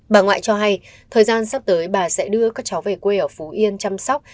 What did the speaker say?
bà ngoại cho hay thời gian sắp tới bà sẽ đưa các cháu về quê ở phú yên chăm sóc